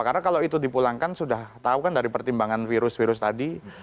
karena kalau itu dipulangkan sudah tahu kan dari pertimbangan virus virus tadi